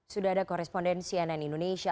sudah ada koresponden cnn indonesia